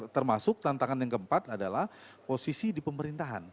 termasuk tantangan yang keempat adalah posisi di pemerintahan